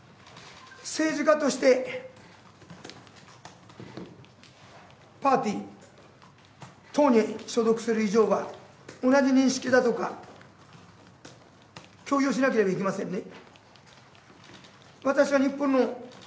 政治家として、パーティー、党に所属する以上は同じ認識だとか、共有しなければいけませんね。